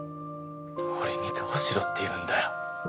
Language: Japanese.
俺にどうしろっていうんだよ。